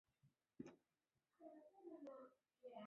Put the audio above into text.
城铁的第一辆车厢因惯性和前面的火车头撞到一起并起火。